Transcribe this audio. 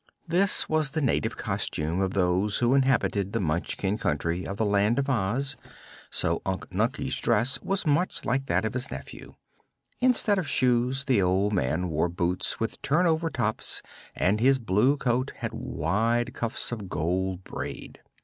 This was the native costume of those who inhabited the Munchkin Country of the Land of Oz, so Unc Nunkie's dress was much like that of his nephew. Instead of shoes, the old man wore boots with turnover tops and his blue coat had wide cuffs of gold braid.